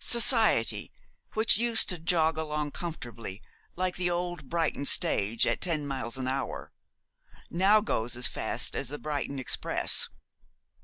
Society, which used to jog along comfortably, like the old Brighton stage, at ten miles an hour, now goes as fast as the Brighton express.